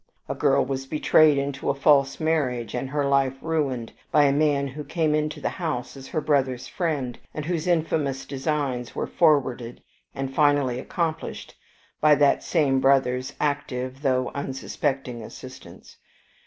A girl was betrayed into a false marriage, and her life ruined by a man who came into the house as her brother's friend, and whose infamous designs were forwarded and finally accomplished by that same brother's active though unsuspecting assistance.